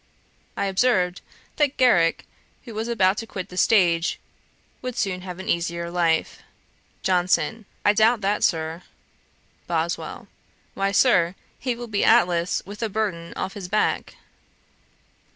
I observed that Garrick, who was about to quit the stage, would soon have an easier life. JOHNSON. 'I doubt that, Sir.' BOSWELL. 'Why, Sir, he will be Atlas with the burthen off his back.'